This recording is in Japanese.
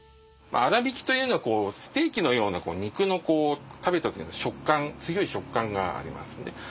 粗びきというのはステーキのような肉の食べた時の食感強い食感がありますね。